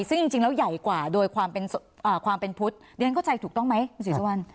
ซึ่งจริงแล้วใหญ่กว่าโดยความเป็นพุทธเรียนเข้าใจถูกต้องไหมคุณศรีสุวรรณ